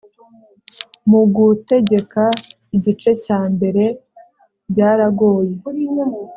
mu gutegeka igice cya mbere byaragoye